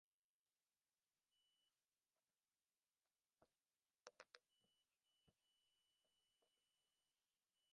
বোধ হয় ও বাংলায় দেখিতে না পাইয়া তিনি ঠিক করিয়াছেন কমলা এখানেই আছেন।